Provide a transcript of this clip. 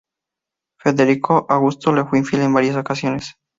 Federico Augusto le fue infiel en varias ocasiones.